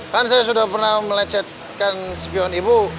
kan saya sudah pernah melecetkan sepion ibu